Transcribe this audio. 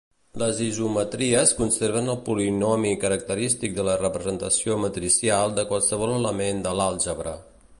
Les isometries conserven el polinomi característic de la representació matricial de qualsevol element de l'àlgebra.